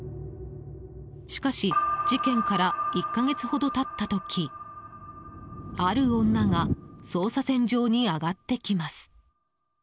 しかし、事件から１か月ほど経った時ある女が捜査線上に上がってきます。